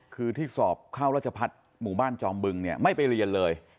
คือที่สอบเข้ารัชพัฒน์หมู่บ้านจอมบึงเนี่ยไม่ไปเรียนเลย